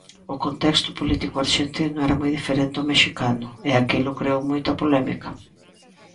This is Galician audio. O contexto político arxentino era moi diferente ao mexicano e aquilo creou moita polémica.